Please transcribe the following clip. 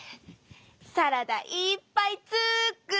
サラダいっぱい作ろ！